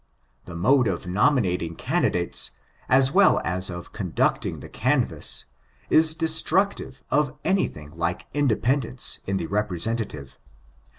The mode of nomina ting candidates, as well as of conducting the canvass, is destructive of anything like independence in the represen tative.